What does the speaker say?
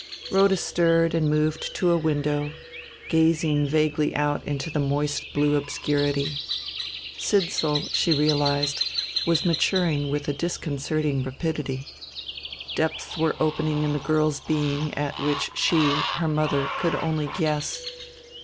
Rhoda stirred and moved to a window, gazing vaguely out into the moist blue obscurity. Sidsall, she realized, was maturing with a disconcerting rapidity. Depths were opening in the girl's being at which she, her mother, could only guess.